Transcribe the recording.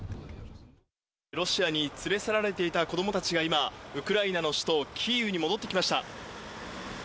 ロシアに連れ去られていた子どもたちが今、ウクライナの首都キーウに戻ってきました。